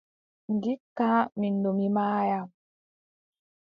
Ndikka min ɗon mi maaya.